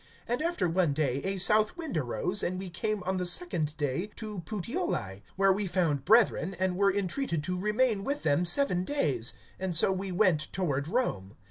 And after one day, a south wind arose, and we came on the second day to Puteoli; (14)where we found brethren, and were entreated to remain with them seven days; and so we went toward Rome.